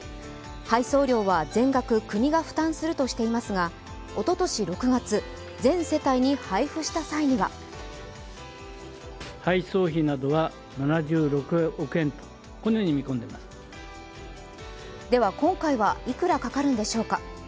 配送料は全額国が負担するとしていますが、おととし６月、全世帯に配布した際にはでは、今回はいくらかかるんでしょうか。